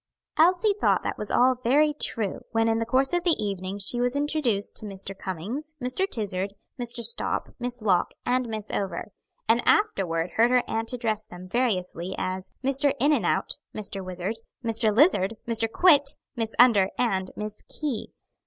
Elsie thought that was all very true, when in the course of the evening she was introduced to Mr. Comings, Mr. Tizard, Mr. Stop, Miss Lock, and Miss Over, and afterward heard her aunt address them variously as "Mr. In and out," "Mr. Wizard," "Mr. Lizard," "Mr. Quit," "Miss Under," and "Miss Key."